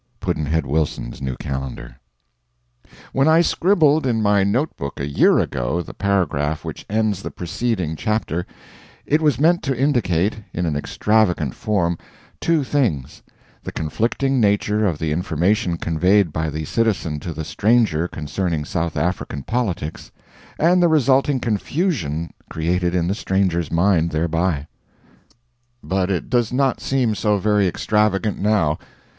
Pudd'nhead Wilson's New Calendar. When I scribbled in my note book a year ago the paragraph which ends the preceding chapter, it was meant to indicate, in an extravagant form, two things: the conflicting nature of the information conveyed by the citizen to the stranger concerning South African politics, and the resulting confusion created in the stranger's mind thereby. But it does not seem so very extravagant now.